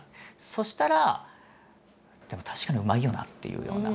そしたらでも確かにうまいよなっていうような。